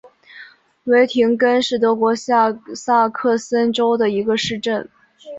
维廷根是德国下萨克森州的一个市镇。